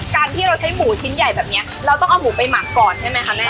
การที่เราใช้หมูชิ้นใหญ่แบบนี้เราต้องเอาหมูไปหมักก่อนใช่ไหมคะแม่